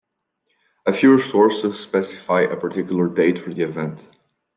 A few sources specify a particular date for the event.